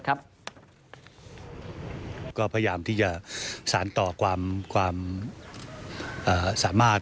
ก็พยายามที่จะสารต่อความสามารถ